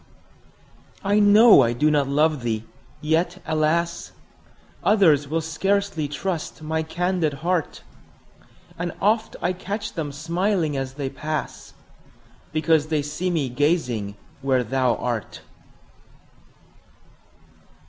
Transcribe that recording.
I know I do not love thee! yet, alas! Others will scarcely trust my candid heart; And oft I catch them smiling as they pass, Because they see me gazing where thou art.